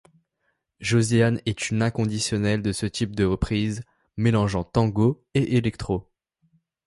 Josiane est une inconditionnelle de ce type de reprise mélangeant tango et électro.